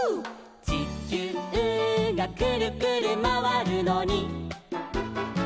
「ちきゅうがくるくるまわるのに」